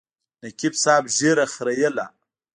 نقیب صاحب ږیره خریله.